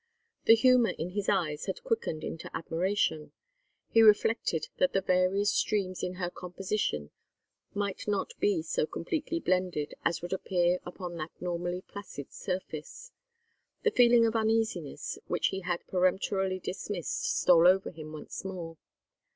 The humor in his eyes had quickened into admiration; he reflected that the various streams in her composition might not be so completely blended as would appear upon that normally placid surface. The feeling of uneasiness which he had peremptorily dismissed stole over him once more.